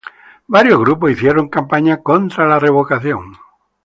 Varios grupos hicieron campaña contra la revocación.